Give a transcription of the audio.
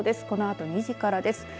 このあと２時からです。